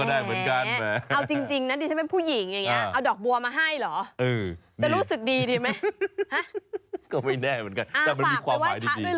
ต้องไปขอคมาด้วยไหมทูปเทียนแพงอย่างนี้หรอคะ